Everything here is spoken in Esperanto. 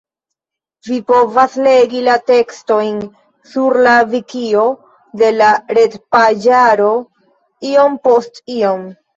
Vi povas legi la tekstojn sur la Vikio de la retpaĝaro Iom post iom.